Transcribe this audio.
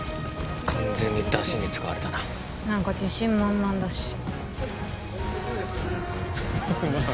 完全にダシに使われたな何か自信満々だしまあ